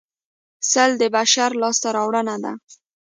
سل د بشر لاسته راوړنه ده